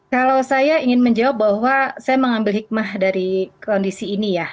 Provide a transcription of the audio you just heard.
kalau saya ingin menjawab bahwa saya mengambil hikmah dari kondisi ini ya